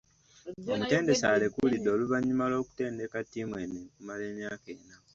Omutendesi alekulidde oluvanyuma lw’okutendeka tiimu eno okumala emyaka ena.